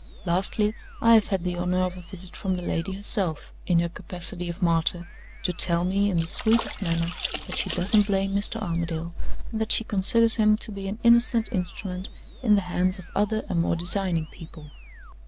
Lastly, I have had the honor of a visit from the lady herself, in her capacity of martyr, to tell me, in the sweetest manner, that she doesn't blame Mr. Armadale, and that she considers him to be an innocent instrument in the hands of other and more designing people.